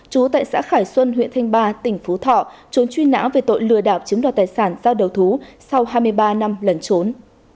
chú tại xã khải xuân huyện thanh ba tỉnh phú thọ trốn truy nã về tội lừa đạp chiếm đòi tài sản giao đầu thú sau hai mươi ba năm lẩn trốn